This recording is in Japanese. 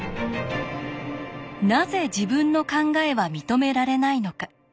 なぜ自分の考えは認められないのか。